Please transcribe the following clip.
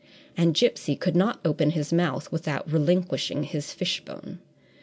And Gipsy could not open his mouth without relinquishing his fishbone.